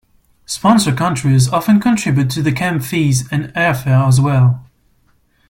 Sponsor countries often contribute to the camp fees and airfare as well.